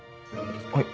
はい。